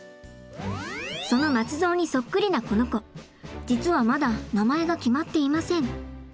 その松蔵にそっくりなこの子実はまだ名前が決まっていません。